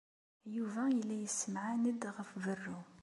Yuba yella yessemɛan-d ɣef berru.